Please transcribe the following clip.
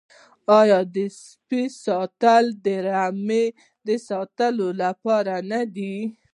آیا د سپیو ساتل د رمې د ساتنې لپاره نه وي؟